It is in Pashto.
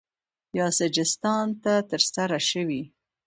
یا سجستان ته ترسره شوی